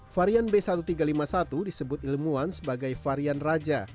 varian b satu tiga lima satu disebut ilmuwan sebagai varian raja